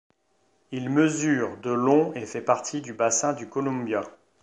Il mesure de long et fait partie du bassin du Columbia.